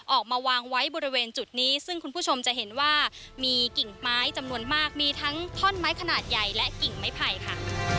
ออกมาวางไว้บริเวณจุดนี้ซึ่งคุณผู้ชมจะเห็นว่ามีกิ่งไม้จำนวนมากมีทั้งท่อนไม้ขนาดใหญ่และกิ่งไม้ไผ่ค่ะ